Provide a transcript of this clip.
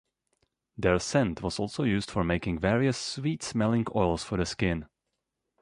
Their scent was also used for making various sweet-smelling oils for the skin.